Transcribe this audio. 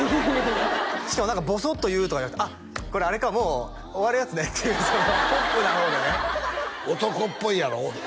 しかも何かボソッと言うとかじゃなくて「あっこれあれかもう終わるやつね」っていうポップな方でね男っぽいやろ？